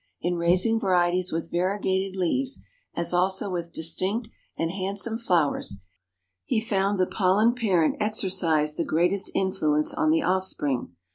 In raising varieties with variegated leaves, as also with distinct and handsome flowers, he found the pollen parent exercised the greatest influence on the offspring.